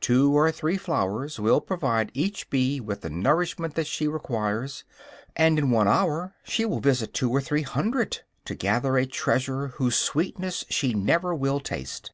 Two or three flowers will provide each bee with the nourishment that she requires, and in one hour she will visit two or three hundred, to gather a treasure whose sweetness she never will taste.